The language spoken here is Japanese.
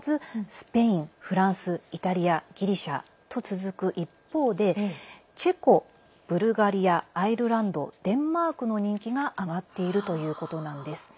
スペイン、フランスイタリア、ギリシャと続く一方でチェコ、ブルガリアアイルランドデンマークの人気が上がっているということなんです。